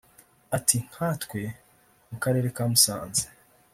Ati“ Nka twe mu karere ka Musanze